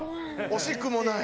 惜しくもない。